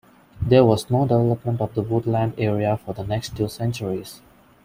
There was no development of the woodland area for the next two centuries.